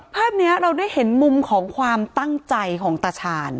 ภาพนี้เราได้เห็นมุมของความตั้งใจของตาชาญ